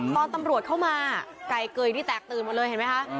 ตอนตำรวจเข้ามาไก่เกยนี่แตกตื่นหมดเลยเห็นไหมคะ